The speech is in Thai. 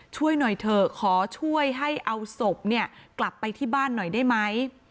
ช่วยหน่อยเถอะขอช่วยให้เอาศพเนี่ยกลับไปที่บ้านหน่อยได้ไหม